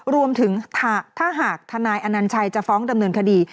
รวมถึงถ้าหากทนายอนัญชัยจะฟ้องดำเนินคดี